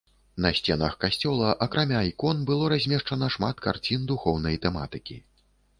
На сценах касцёла, акрамя ікон, было размешчана шмат карцін духоўнай тэматыкі.